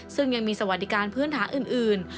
ซึ่งยังมีสวัสดิการพื้นฐานอื่น